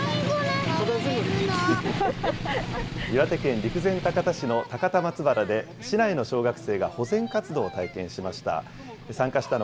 岩手県陸前高田市の高田松原で、市内の小学生が保全活動を体験しました。